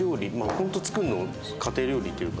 ホント作るの家庭料理っていうか。